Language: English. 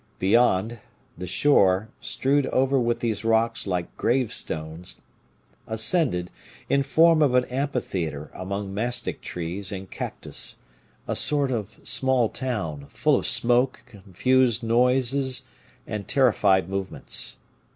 Beyond, the shore, strewed over with these rocks like gravestones, ascended, in form of an amphitheater among mastic trees and cactus, a sort of small town, full of smoke, confused noises, and terrified movements.